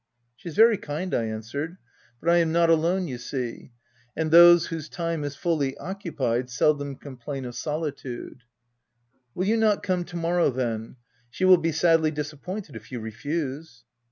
' w She is very kind/ I answered, " but I am OF WILDFELL HALL. 167 not alone, you see ;— and those, whose time is fully occupied, seldom complain of solitude." " Will you not come to morrow, then? She will be sadly disappointed if you refuse."